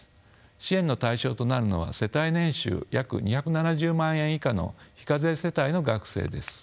支援の対象となるのは世帯年収約２７０万円以下の非課税世帯の学生です。